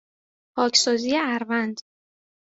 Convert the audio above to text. پاکسازی اَروَند